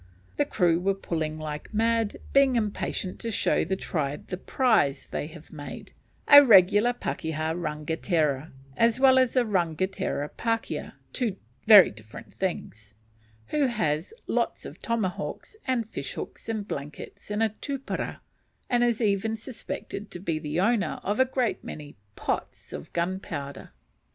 The crew are pulling like mad, being impatient to show the tribe the prize they have made, a regular pakeha rangatira as well as a rangatira pakeha (two very different things), who has lots of tomahawks, and fish hooks, and blankets, and a tupara, and is even suspected to be the owner of a great many "pots" of gunpowder!